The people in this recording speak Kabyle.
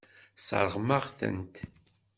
Tesseṛɣem-aɣ-tent.